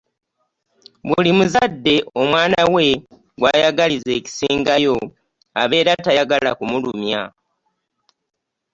Buli muzadde omwana we gw'ayagaliza ekisingayo abeera tayagala kumulumya.